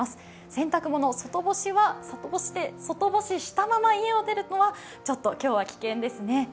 洗濯物、外干ししたまま家を出るのはちょっと今日は危険ですね。